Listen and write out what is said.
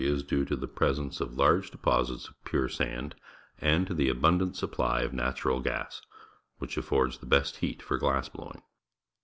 Mexico 166 174 is due to the presence of large deposits of pure sand and to the abundant supply of natural gas, which affords the best heat for glass blowing.